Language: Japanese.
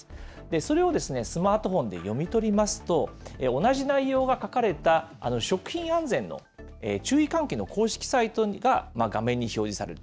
それをスマートフォンで読み取りますと、同じ内容が書かれた食品安全の注意喚起の公式サイトが画面に表示される。